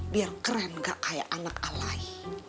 biar keren gak kayak anak alaihi